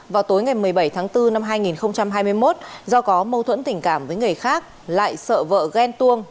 vào tối ngày một mươi bảy tháng bốn năm hai nghìn hai mươi một do có mâu thuẫn tình cảm với người khác lại sợ vợ ghen tuông